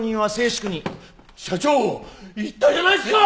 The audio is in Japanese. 支社長言ったじゃないですか！